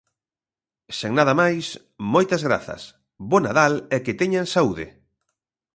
Sen nada máis, moitas grazas, bo Nadal e que teñan saúde.